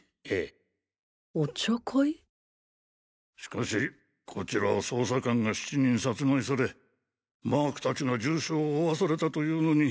しかしこちらは捜査官が７人殺害されマーク達が重傷を負わされたというのに。